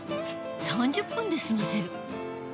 ３０分で済ませる。